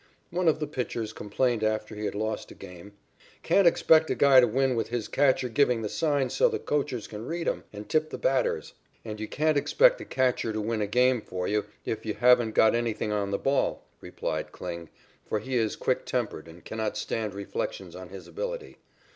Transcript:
One of the pitchers complained after he had lost a game: "Can't expect a guy to win with his catcher giving the signs so the coachers can read 'em and tip the batters." "And you can't expect a catcher to win a game for you if you haven't got anything on the ball," replied Kling, for he is quick tempered and cannot stand reflections on his ability.